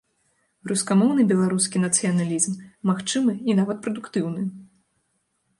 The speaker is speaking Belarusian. Рускамоўны беларускі нацыяналізм магчымы і нават прадуктыўны.